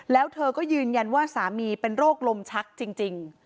แล้วเธอก็ยืนยันว่าสามีเป็นโรคลมชักจริง